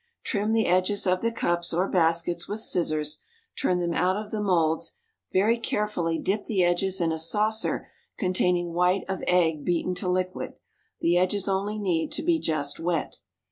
Trim the edges of the cups or baskets with scissors, turn them out of the moulds, very carefully dip the edges in a saucer containing white of egg beaten to liquid the edges only need to be just wet.